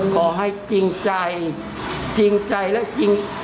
ขอให้จริงใจจริงใจและจริง